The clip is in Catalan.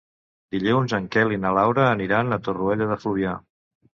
Dilluns en Quel i na Laura aniran a Torroella de Fluvià.